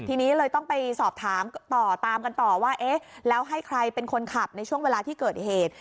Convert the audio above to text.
ทีนี้เลยต้องไปสอบถามต่อตามกันต่อว่าเอ๊ะแล้วให้ใครเป็นคนขับในช่วงเวลาที่เกิดเหตุ